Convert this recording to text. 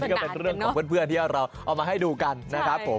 ก็เป็นเรื่องของเพื่อนที่เราเอามาให้ดูกันนะครับผม